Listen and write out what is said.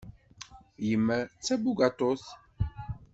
Yemma d tabugaṭut.